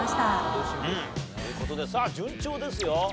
という事でさあ順調ですよ。